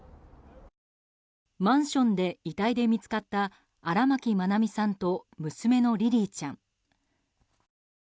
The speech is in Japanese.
マンションで遺体で見つかった荒牧愛美さんと娘のリリィちゃん。